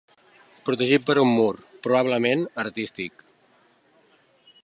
Protegit per un mur, probablement artístic.